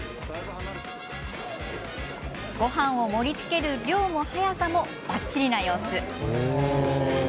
ごはんを盛りつける量も速さもばっちりな様子。